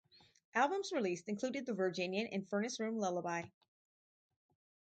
Albums released included "The Virginian" and "Furnace Room Lullaby".